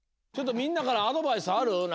ちょっと、みんなからアドバイスある？